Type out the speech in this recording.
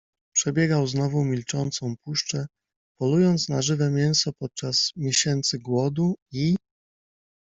Przebiegał znowu milczącą puszczę, polując na żywe mięso podczas miesięcy głodu. I